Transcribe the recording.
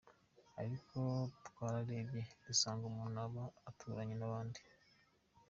Ariko twararebye dusanga umuntu aba aturanye n’abandi.